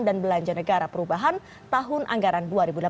dan belanja negara perubahan tahun anggaran dua ribu delapan belas